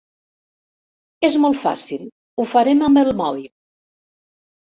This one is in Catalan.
És molt fàcil, ho farem amb el mòbil.